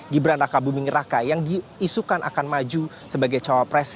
gibran raka buming raka yang diisukan akan maju sebagai cawapres